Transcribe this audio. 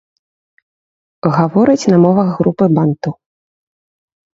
Гавораць на мовах групы банту.